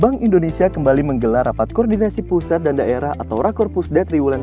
bank indonesia kembali menggelar rapat koordinasi pusat dan daerah atau rakor pusd dua ribu tiga